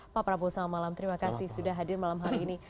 pak prabowo selamat malam terima kasih sudah hadir malam hari ini